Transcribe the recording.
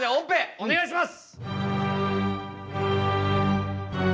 お願いします。